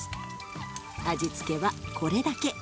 味付けはこれだけ。